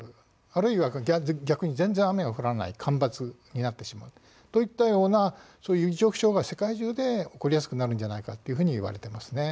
あるいは逆に全然雨が降らない干ばつになってしまうといったようなそういう異常気象が世界中で起こりやすくなるんじゃないかというふうにいわれていますね。